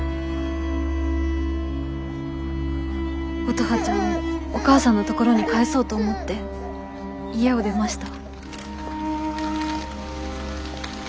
乙葉ちゃんをお母さんのところに返そうと思って家を出ました。